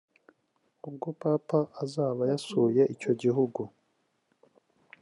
ubwo papa azaba yasuye icyo gihugu